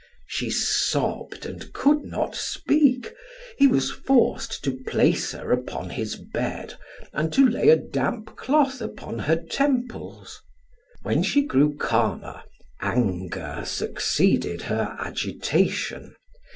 She sobbed and could not speak. He was forced to place her upon his bed and to lay a damp cloth upon her temples. When she grew calmer, anger succeeded her agitation.